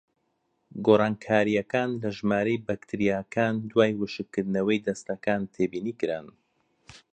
گۆڕانکاریەکان لە ژمارەی بەکتریاکان دوای وشکردنەوەی دەستەکان تێبینیکران: